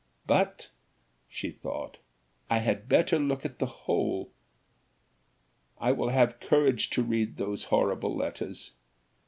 But," thought she, "I had better look at the whole. I will, have courage to read these horrible letters."